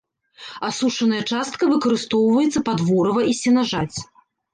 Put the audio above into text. Асушаная частка выкарыстоўваецца пад ворыва і сенажаць.